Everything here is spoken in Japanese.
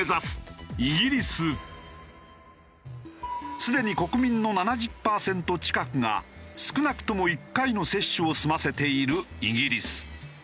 すでに国民の７０パーセント近くが少なくとも１回の接種を済ませているイギリス。